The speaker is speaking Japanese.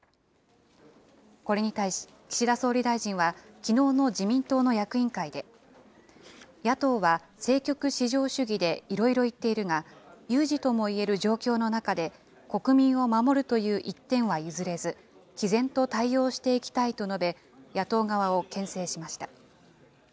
これに対し、岸田総理大臣はきのうの自民党の役員会で、野党は政局至上主義でいろいろ言っているが、有事ともいえる状況の中で、国民を守るという一点は譲れず、きぜんと対応していきたいと述べ、野党側をけん制しました。